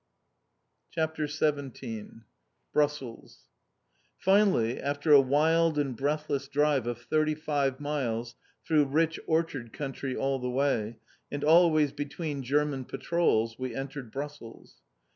CHAPTER XVII BRUSSELS Finally, after a wild and breathless drive of thirty five miles through rich orchard country all the way, and always between German patrols, we entered Brussels.